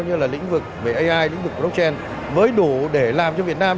như là lĩnh vực về ai lĩnh vực blockchain với đủ để làm cho việt nam